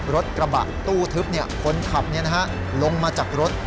รถกระบะตู้ทึบเนี่ยคนขับเนี่ยนะฮะลงมาจากรถ